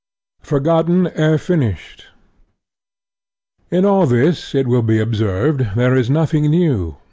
FORGOTTEN ERE FINISHED In all this, it will be observed, there is nothing new.